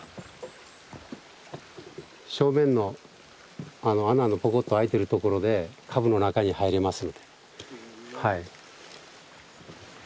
正面の穴のポコッと開いてるところで株の中に入れます。